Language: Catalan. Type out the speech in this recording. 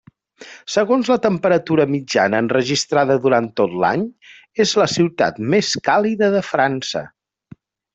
Segons la temperatura mitjana enregistrada durant tot l'any, és la ciutat més càlida de França.